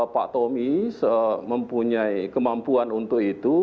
pak tommy mempunyai kemampuan untuk itu